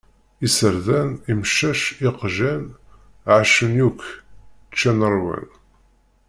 Iserdan, imcac, iqjan, εacen yakk, ččan ṛwan.